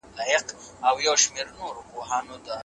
د عامه خدمتونو فشار بايد د عادلانه وېش له لارې مديريت شي.